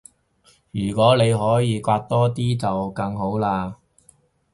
如果你可以搲多啲就更好啦